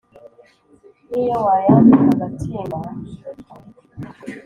N' iyo wayambika agatimba